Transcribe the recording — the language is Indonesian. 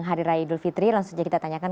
hari rai idul fitri kita tanyakan